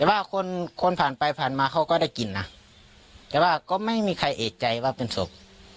แต่ว่าคนคนผ่านไปผ่านมาเขาก็ได้กินนะแต่ว่าก็ไม่มีใครเอกใจว่าเป็นศพ